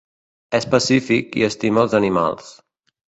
És pacífic i estima els animals.